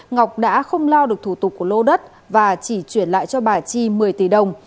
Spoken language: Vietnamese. ngọc đã không lo được thủ tục của lô đất và chỉ chuyển lại cho bà chi một mươi tỷ đồng